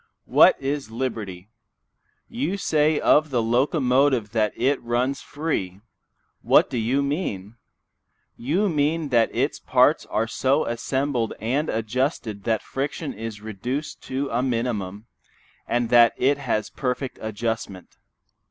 What it liberty? You say of the locomotive that it runs free. What do you mean? You mean that its parts are so assembled and adjusted that friction is reduced to a minimum, and that it has perfect adjustment.